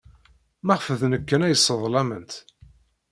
Maɣef d nekk kan ay sseḍlament?